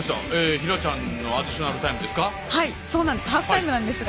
「平ちゃんのアディショナルタイム」ですか。